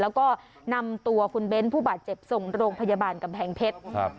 แล้วก็นำตัวคุณเบ้นผู้บาดเจ็บส่งโรงพยาบาลกำแพงเพชร